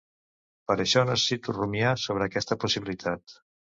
Per això necessito rumiar sobre aquesta possibilitat.